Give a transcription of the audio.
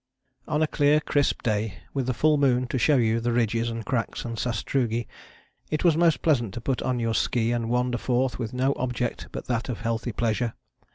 On a clear crisp day, with the full moon to show you the ridges and cracks and sastrugi, it was most pleasant to put on your ski and wander forth with no object but that of healthy pleasure.